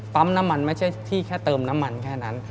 น้ำมันไม่ใช่ที่แค่เติมน้ำมันแค่นั้น